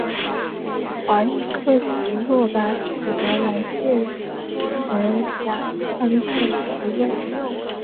华域克及洛达取得来届荷甲参赛席位。